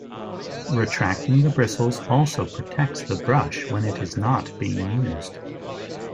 Retracting the bristles also protects the brush when it is not being used.